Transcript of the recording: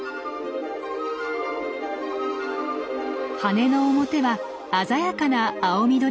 羽の表は鮮やかな青緑色。